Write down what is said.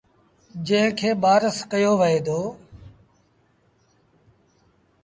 جݩهݩ کي ٻآرس ڪهيو وهي دو